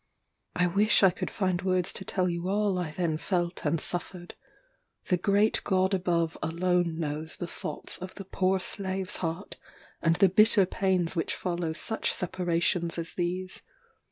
I wish I could find words to tell you all I then felt and suffered. The great God above alone knows the thoughts of the poor slave's heart, and the bitter pains which follow such separations as these.